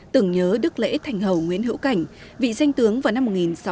từng nhớ đức lễ thành hầu nguyễn hữu cảnh vị danh tướng vào năm một nghìn sáu trăm chín mươi tám